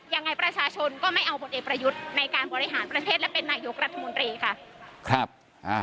ยังไงประชาชนก็ไม่เอาผลเอกประยุทธ์ในการบริหารประเทศและเป็นนายกรัฐมนตรีค่ะ